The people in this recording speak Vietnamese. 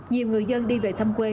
nhiều người dân đi về thăm quê